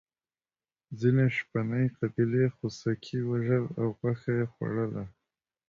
ځینې شپنې قبیلې خوسکي وژل او غوښه یې خوړله.